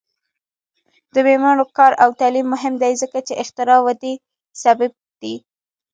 د میرمنو کار او تعلیم مهم دی ځکه چې اختراع ودې سبب دی.